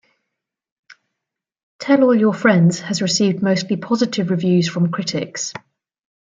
"Tell All Your Friends" has received mostly positive reviews from critics.